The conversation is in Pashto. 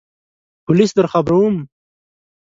پولیس درخبروم !